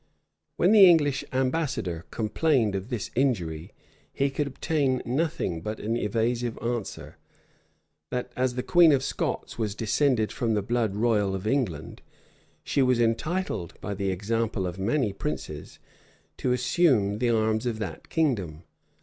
When the English ambassador complained of this injury he could obtain nothing but an evasive answer; that as the queen of Scots was descended from the blood royal of England, she was entitled, by the example of many princes, to assume the arms of that kingdom.